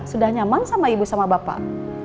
sudah nyaman sama ibu sama bapak